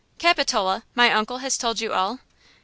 "Capitola! My uncle has told you all?"